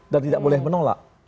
dan tidak boleh menolak